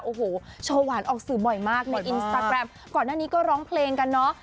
โอ้โหโชว์หวานออกสื่อบ่อยมากในอินสตาแกรมก่อนหน้านี้ก็ร้องเพลงกันเนอะ